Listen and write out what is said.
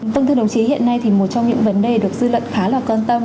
vâng thưa đồng chí hiện nay thì một trong những vấn đề được dư luận khá là quan tâm